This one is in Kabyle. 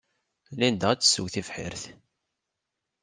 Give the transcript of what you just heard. Linda ad tessew tibḥirt.